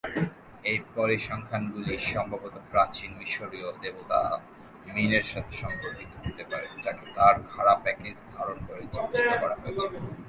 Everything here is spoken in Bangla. এই পরিসংখ্যানগুলি সম্ভবত প্রাচীন মিশরীয় দেবতা মিনের সাথে সম্পর্কিত হতে পারে যাকে তার খাড়া প্যাকেজ ধারণ করে চিত্রিত করা হয়েছিল।